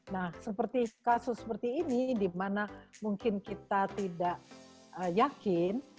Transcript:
nah seperti kasus seperti ini di mana mungkin kita tidak yakin